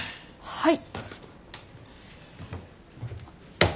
はい。